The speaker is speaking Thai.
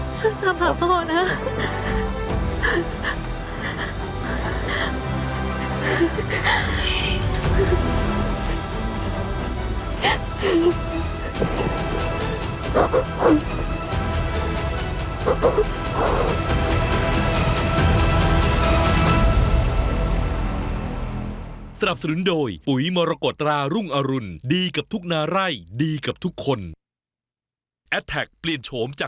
ช่วยตามหาพ่อนะ